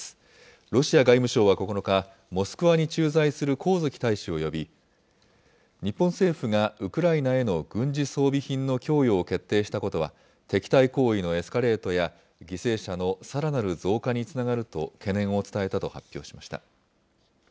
ロシア外務省は９日、モスクワに駐在する上月大使を呼び、日本政府がウクライナへの軍事装備品の供与を決定したことは、敵対行為のエスカレートや犠牲者のさらなる増加につながると懸念を伝えたと発表しました。